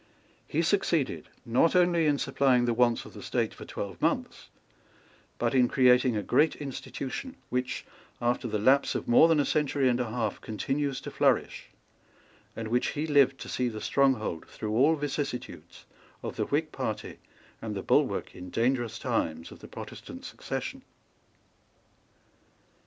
He succeeded, not only in supplying the wants of the State for twelve months, but in creating a great institution, which, after the lapse of more than a century and a half, continues to flourish, and which he lived to see the stronghold, through all vicissitudes, of the Whig party, and the bulwark, in dangerous times, of the Protestant succession.